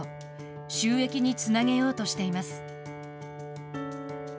収益につなげようとしています。